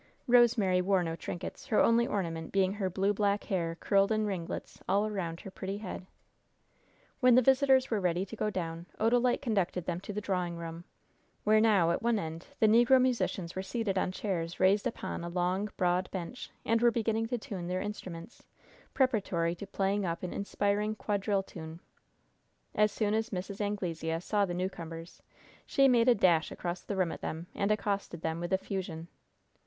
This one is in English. Rosemary wore no trinkets, her only ornament being her blue black hair curled in ringlets all around her pretty head. When the visitors were ready to go down, Odalite conducted them to the drawing room, where now, at one end, the negro musicians were seated on chairs raised upon a long, broad bench, and were beginning to tune their instruments, preparatory to playing up an inspiring quadrille tune. As soon as Mrs. Anglesea saw the newcomers, she made a dash across the room at them, and accosted them with effusion.